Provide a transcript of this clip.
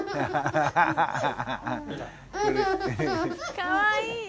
かわいい！